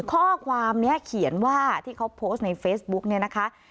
ข้อความนี้เขียนว่าที่เขาโพสต์ในเฟซบุ๊กเนี่ยนะคะ